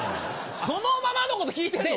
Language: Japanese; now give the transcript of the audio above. そのままのこと聞いてんの。